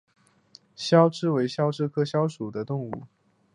脂肖峭为肖峭科肖峭属的动物。